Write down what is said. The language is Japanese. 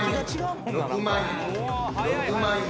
６万円。